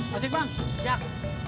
pak cik bang jack